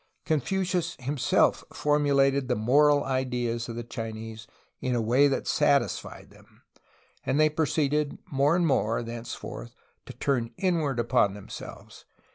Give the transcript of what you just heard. Confucius himself formulated the moral ideas of the Chinese in a way that satisfied them, and they proceeded more and more, thenceforth, to turn inward upon them selves.